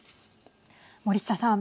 森下さん。